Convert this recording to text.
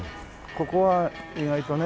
ここは意外とね。